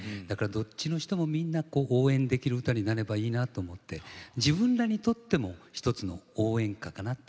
だから、どっちの人も、みんな応援できる歌になればいいなと思って自分らにとっても一つの応援歌かな。